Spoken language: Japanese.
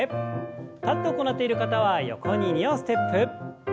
立って行っている方は横に２歩ステップ。